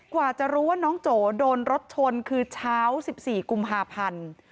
กว่าจะรู้ว่าน้องโจโดนรถชนคือเช้า๑๔กุมภาพันธ์